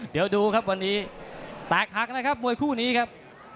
เดี๋ยวดูครับวันนี้แตกหักนะครับมวยคู่นี้ครับ